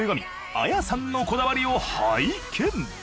ＡＹＡさんのこだわりを拝見。